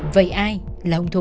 vậy ai là ông thủ